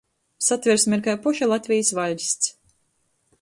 Satversme ir kai poša Latvejis vaļsts —